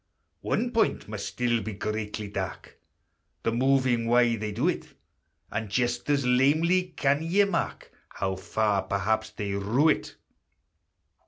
One point must still be greatly dark, The moving why they do it; And just as lamely can ye mark How far perhaps they rue it.